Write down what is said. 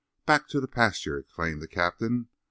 "Back to the pasture!" exclaimed the captain.